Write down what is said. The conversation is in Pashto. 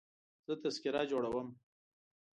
زه تذکره جوړوم.